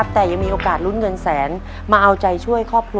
เป็นห่วงเด็กมากค่ะ